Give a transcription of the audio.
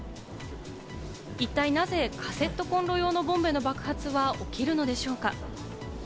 一体なぜ、カセットコンロ用のボンベの爆発は起きるのでしょうか？